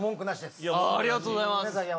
ありがとうございます。